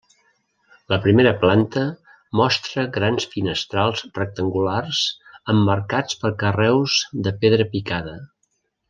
La primera planta mostra grans finestrals rectangulars emmarcats per carreus de pedra picada.